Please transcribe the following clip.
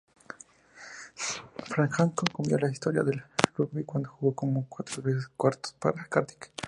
Fran Hancock cambió la historia del rugby cuando jugó como cuatro tres-cuartos para Cardiff.